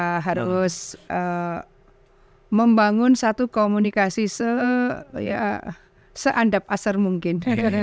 kita harus membangun satu komunikasi seandap asar mungkin